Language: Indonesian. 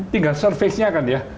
tinggal service nya kan ya